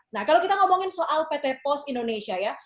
nah kalau kita ngomongin soal pt pos indonesia ya